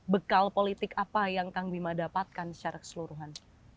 bekal politik apa yang kang bima dapatkan secara keseluruhan